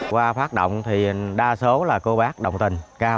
qua phát động thì đa số là cô bác đồng tình cao